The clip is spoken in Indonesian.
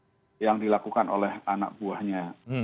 dan dalam praktik yang dilakukan oleh anak buahnya